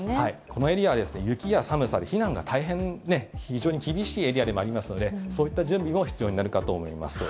このエリアは雪や寒さで、避難が大変、非常に厳しいエリアでもありますので、そういった準備も必要になるかと思います。